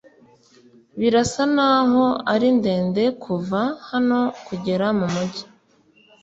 Birasa naho ari ndende kuva hano kugera mumujyi.